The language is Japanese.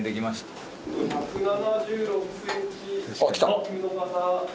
あっきた！